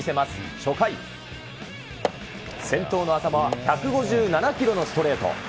初回、先頭の浅間を１５７キロのストレート。